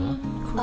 あ！